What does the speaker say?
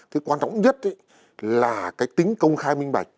cái quan trọng nhất là cái tính công khai minh bạch